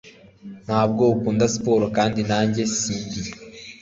Ntabwo akunda siporo, kandi nanjye sindi.